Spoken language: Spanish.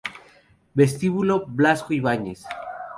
Vestíbulo Blasco Ibáñez